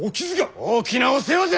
大きなお世話じゃ！